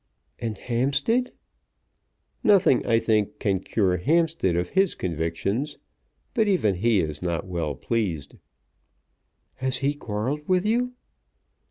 "And Hampstead?" "Nothing, I think, can cure Hampstead of his convictions; but even he is not well pleased." "Has he quarrelled with you?"